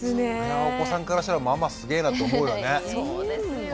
お子さんからしたらママすげえなと思うよね。